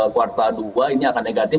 kuartal dua ini akan negatif